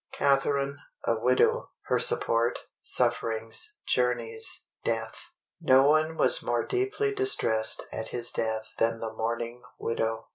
Catharine, a Widow—Her Support—Sufferings—Journeys—Death. No one was more deeply distressed at his death than the mourning widow.